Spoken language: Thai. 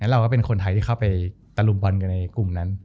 เราก็เป็นคนไทยที่เข้าไปตะลุมบอลกันในกลุ่มนั้น